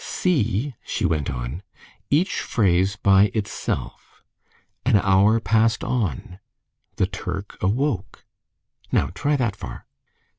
"See," she went on, "each phrase by itself. 'An hour passed on: the Turk awoke.' Now, try that far."